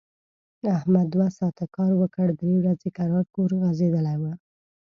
احمد دوه ساعت کار وکړ، درې ورځي کرار کور غځېدلی و.